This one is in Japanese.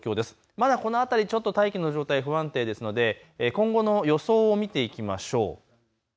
まだこの辺り、大気の状態不安定ですので今後の予想を見ていきましょう。